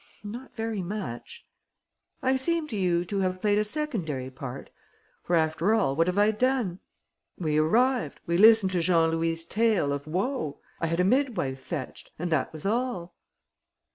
"Not very much." "I seem to you to have played a secondary part. For, after all, what have I done? We arrived. We listened to Jean Louis' tale of woe. I had a midwife fetched. And that was all."